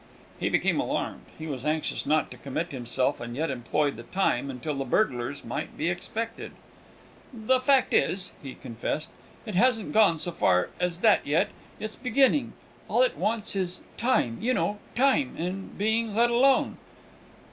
He became alarmed. He was anxious not to commit himself, and yet employ the time until the burglars might be expected. "The fact is," he confessed, "it hasn't gone so far as that yet it's beginning; all it wants is time, you know time, and being let alone."